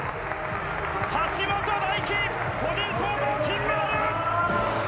橋本大輝、個人総合、金メダル！